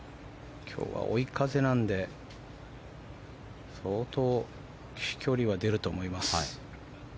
今日は追い風なので相当、飛距離は出ると思います。